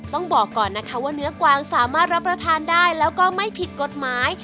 ต้องบอกก่อนนะคะว่าเนื้อกวางสามารถรับประทานได้แล้วก็ไม่ผิดกฎหมาย